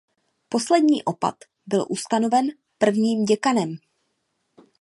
Poslední opat byl ustanoven prvním děkanem.